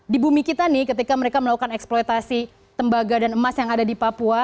di bumi kita nih ketika mereka melakukan eksploitasi tembaga dan emas yang ada di papua